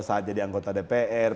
saat jadi anggota dpr